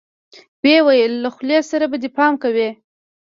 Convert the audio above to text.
ويې ويل له خولې سره به دې پام کوې.